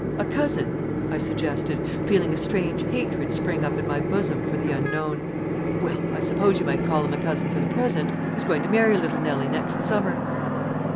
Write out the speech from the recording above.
"A cousin," I suggested, feeling a strange hatred spring up in my bosom for the unknown. "Well, I suppose you might call him a cousin for the present. He's going to marry little Nelly next summer."